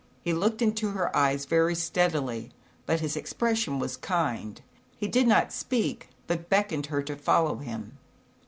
He looked into her eyes very steadily, but his expression was kind. He did not speak, but beckoned her to fol low him.